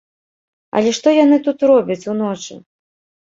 Але што яны тут робяць уночы?